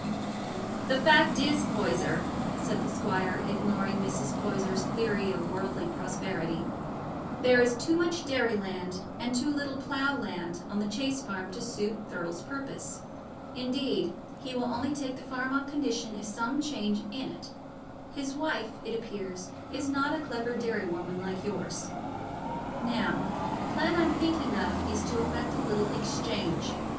"The fact is, Poyser," said the squire, ignoring Mrs. Poyser's theory of worldly prosperity, "there is too much dairy land, and too little plough land, on the Chase Farm to suit Thurle's purpose—indeed, he will only take the farm on condition of some change in it: his wife, it appears, is not a clever dairy woman, like yours. Now, the plan I'm thinking of is to effect a little exchange.